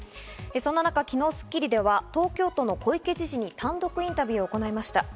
そんな中、昨日『スッキリ』では東京都の小池知事に単独インタビューを行いました。